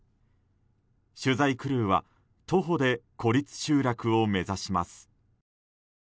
取材クルーは徒歩で孤立集落を目指します。